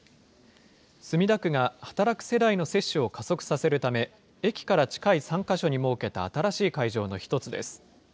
墨田区が働く世代の接種を加速させるため、駅から近い３か所に設けた新しい会場の一つです。